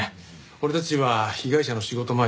俺たちは被害者の仕事周り